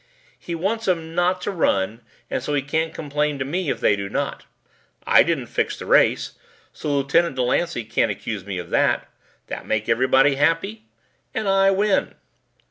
"He wants 'em not to run and so he can't complain to me if they do not. I didn't fix the race, so Lieutenant Delancey can't accuse me of that. That makes everybody happy, and I win!"